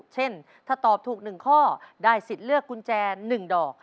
เช่นถ้าตอบถูก๑ข้อได้สิทธิ์เลือกกุญแจ๑ดอก